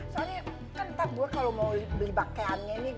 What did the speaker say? soalnya kan gue kalau mau beli pakaiannya ini